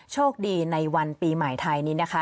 โชคดีในวันปีใหม่ไทยนี้นะคะ